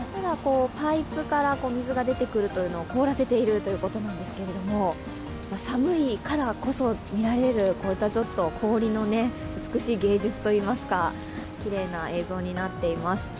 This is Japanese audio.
パイプから水が出てくるのを凍らせているということなんですけど、寒いからこそ見られる氷の美しい芸術といいますか、きれいな映像になっています。